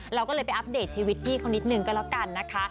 เราก็เลยไปอัปเดตชีวิตพี่เขานิดนึงก็แล้วกันนะคะ